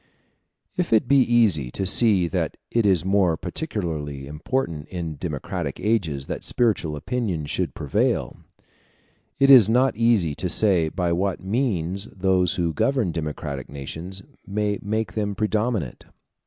If it be easy to see that it is more particularly important in democratic ages that spiritual opinions should prevail, it is not easy to say by what means those who govern democratic nations may make them predominate.